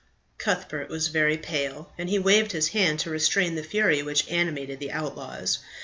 Cuthbert was very pale, and he waved his hand to restrain the fury which animated the outlaws.